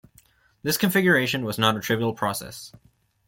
This configuration was not a trivial process.